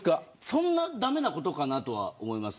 そんな駄目なことかなとは思います。